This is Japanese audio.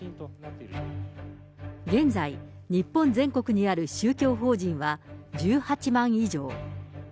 現在、日本全国にある宗教法人は１８万以上。